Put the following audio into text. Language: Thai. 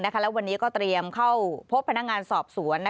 และวันนี้ก็เตรียมเข้าพบพนักงานสอบสวน